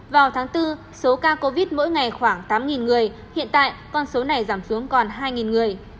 vào tháng bốn số ca covid mỗi ngày khoảng tám người hiện tại con số này giảm xuống còn hai người